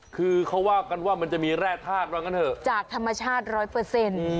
คือเขาว่ากันว่ามันจะมีแร่ธาตุว่างั้นเถอะจากธรรมชาติร้อยเปอร์เซ็นต์